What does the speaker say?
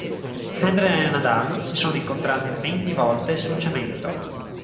Federer e Nadal si sono incontrati venti volte sul cemento.